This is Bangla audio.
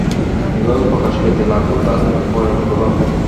এভাবে প্রকাশ পেতে লাগলো তার বৈরাগ্যভাব।